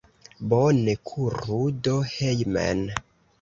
Bone, kuru do hejmen.